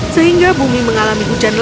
sehingga bumi mengalami hujan lebat